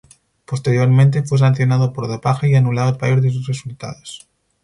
Posteriormente fue sancionado por dopaje y anulados varios de sus resultados.